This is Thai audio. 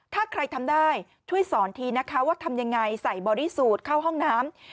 ถ้าใครทำได้ช่วยสอนทีนะคะว่าทำยังไงใส่บอดี้สูตรเข้าห้องน้ำ